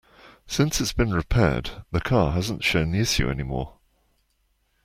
Since it's been repaired, the car hasn't shown the issue any more.